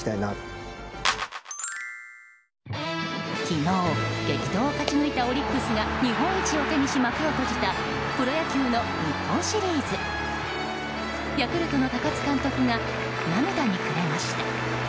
昨日、激闘を勝ち抜いたオリックスが日本一を手にし、幕を閉じたプロ野球の日本シリーズ。ヤクルトの高津監督が涙に暮れました。